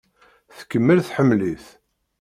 Tkemmel tḥemmel-it.